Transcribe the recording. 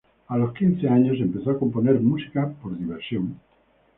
A los quince años empezó a componer música por diversión.